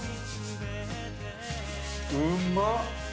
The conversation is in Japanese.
うんまっ！